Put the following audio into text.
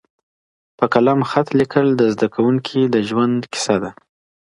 په قلم خط لیکل د زده کوونکي د ژوند کیسه ده.